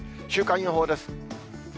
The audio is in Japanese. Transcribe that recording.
週間予報です。